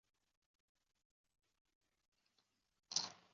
治所即今湖南泸溪县。